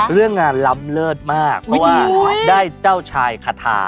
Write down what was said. เรื่องงานล้ำเลิศมากเพราะว่าได้เจ้าชายคาทา